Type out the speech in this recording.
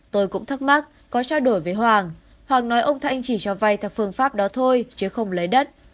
tôi cũng thắc mắc có trao đổi với hoàng hoàng nói ông thanh chỉ cho vay theo phương pháp đó thôi chứ không lấy đất